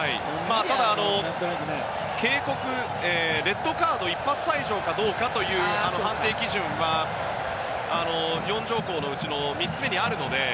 ただ警告、レッドカードで一発退場かどうかという判定基準は４条項のうちの３つ目にあるので。